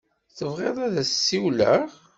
Tebɣiḍ ad as-ssiwleɣ?